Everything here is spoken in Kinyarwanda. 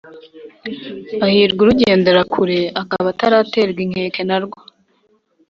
Hahirwa urugendera kure, akaba ataraterwa inkeke na rwo,